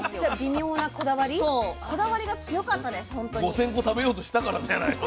５，０００個食べようとしたからじゃないの？